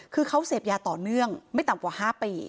คือเขาเสพยาต่อเนื่องไม่ต่ำกว่า๕ปี